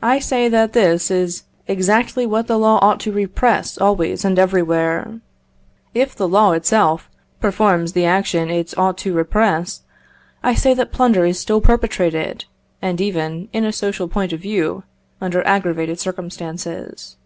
I say that this is exactly what the law ought to repress always and everywhere. If the law itself performs the action it ought to repress, I say that plunder is still perpetrated, and even, in a social point of view, under aggravated circumstances.